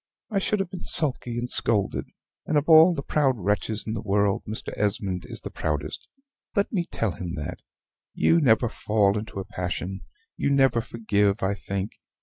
I should have been sulky and scolded; and of all the proud wretches in the world Mr. Esmond is the proudest, let me tell him that. You never fall into a passion; but you never forgive, I think.